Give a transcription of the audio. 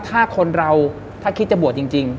ถ้าคนเราถ้าคิดจะบวชจริง